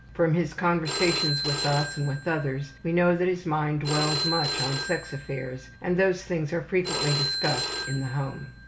From his conversations with us and with others we know that his mind dwells much on sex affairs and these things are frequently discussed in the home.